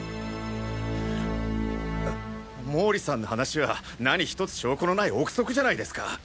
毛利さんの話は何ひとつ証拠のない憶測じゃないですか。